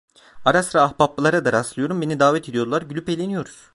Ara sıra ahbaplara da rastlıyorum, beni davet ediyorlar, gülüp eğleniyoruz.